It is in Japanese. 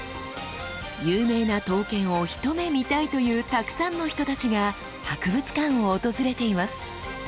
有名な刀剣をひと目見たいというたくさんの人たちが博物館を訪れています。